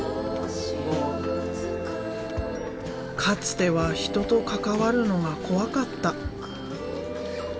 かつては人と関わるのが怖かった。